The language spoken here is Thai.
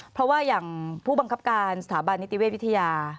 เพราะว่าอย่างผู้บังคับการสถาบันนิติเวชวิทยา